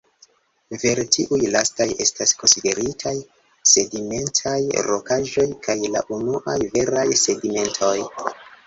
Vere tiuj lastaj estas konsideritaj sedimentaj rokaĵoj kaj la unuaj veraj sedimentoj.